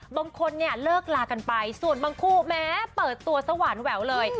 บางคนเนี่ยเลิกลากันไปส่วนบางคู่แม้เปิดตัวสว่านแหววเลย